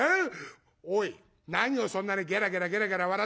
おい何をそんなにゲラゲラゲラゲラ笑ってんだよ？